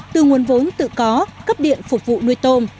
từ nguồn vốn tự có cấp điện phục vụ nuôi tôm